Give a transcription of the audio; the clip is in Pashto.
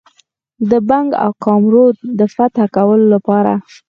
د بنګ او کامرود د فتح کولو لپاره.